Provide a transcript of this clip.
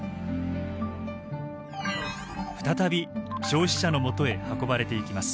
再び消費者のもとへ運ばれていきます。